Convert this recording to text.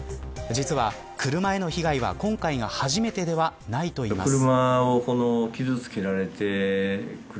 車への被害は今回が初めてではないといいます。